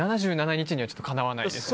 ７７日にはかなわないです。